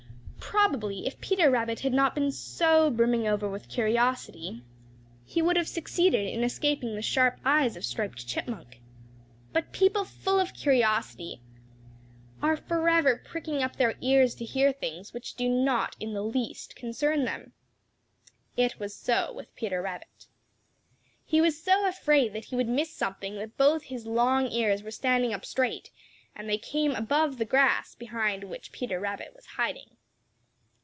Probably if Peter Rabbit had not been so brimming over with curiosity he would have succeeded in escaping the sharp eyes of Striped Chipmunk. But people full of curiosity are forever pricking up their ears to hear things which do not in the least concern them. It was so with Peter Rabbit. He was so afraid that he would miss something that both his long ears were standing up straight, and they came above the grass behind which Peter Rabbit was hiding.